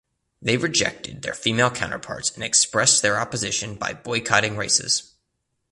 They rejected their female counterparts and expressed their opposition by boycotting races.